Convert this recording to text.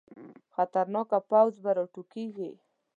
خطرناکه پوځ به راوټوکېږي.